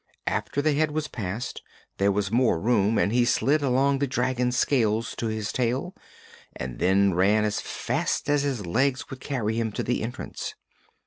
After the head was passed there was more room and he slid along the dragon's scales to his tail and then ran as fast as his legs would carry him to the entrance.